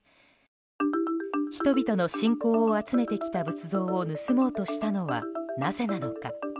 人々の信仰を集めてきた仏像を盗もうとしたのはなぜなのか。